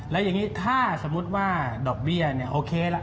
แล้วอย่างนี้ถ้าสมมุติว่าดอกเบี้ยเนี่ยโอเคละ